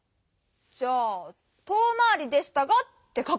じゃあ「とおまわりでしたが」ってかくんだ。